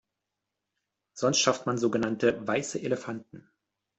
Sonst schafft man sogenannte weiße Elefanten.